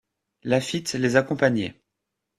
Laffitte les accompagnait.